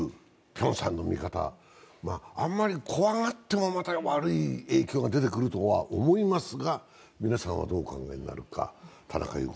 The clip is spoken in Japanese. あまり怖がっても悪い影響が出てくると思いますが、皆さんはどうお考えになるか。